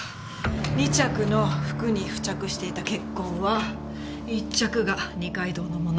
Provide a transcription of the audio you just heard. ２着の服に付着していた血痕は１着が二階堂のもの